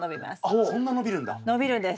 あっそんな伸びるんだ。